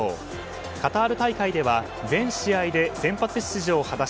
カタール大会では全試合で先発出場を果たし